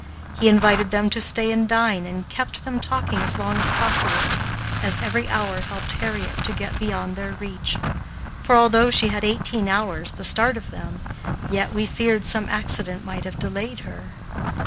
He invited them to stay and dine and kept them talking as long as possible, as every hour helped Harriet to get beyond their reach; for, although she had eighteen hours the start of them, yet we feared some accident might have delayed her.